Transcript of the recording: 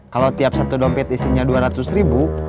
kalau tiap satu dompet isinya dua ratus ribu